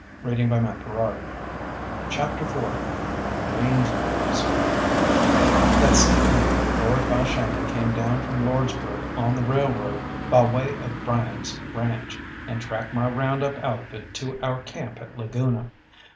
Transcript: CHAPTER IV THE RANGE WOLVES That same winter Lord Balshannon came down from Lordsburgh on the railroad, by way of Bryant's ranche, and tracked my round up outfit to our camp at Laguna.